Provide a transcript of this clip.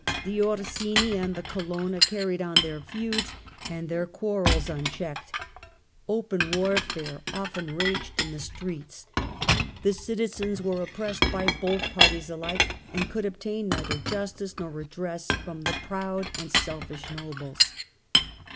The Orsini and the Colonna carried on their feuds and their quarrels unchecked ; open warfare was often waged ITALY, 1313 1378 81 in the streets ; the citizens were oppressed by both parties alike and could obtain neither justice nor redress from the proud and selfish nobles.